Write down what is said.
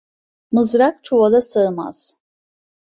Mızrak çuvala sığmaz.